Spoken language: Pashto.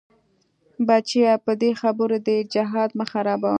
بچيه په دې خبرو دې جهاد مه خرابوه.